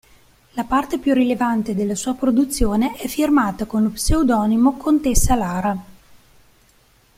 La parte più rilevante della sua produzione è firmata con lo pseudonimo Contessa Lara.